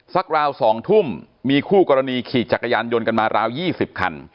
ราว๒ทุ่มมีคู่กรณีขี่จักรยานยนต์กันมาราว๒๐คัน